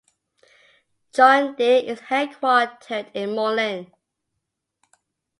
John Deere is headquartered in Moline.